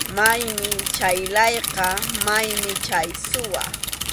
Maymi chay layqa, maymi chay suwa.